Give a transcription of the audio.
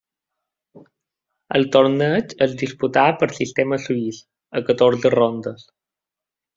El torneig es disputà per sistema suís, a catorze rondes.